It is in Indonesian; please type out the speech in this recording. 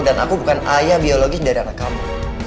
dan aku bukan ayah biologis dari anak kamu